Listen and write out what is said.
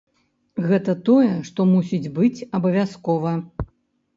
Гэта тое, што мусіць быць абавязкова.